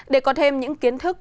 để có thêm những kiến thức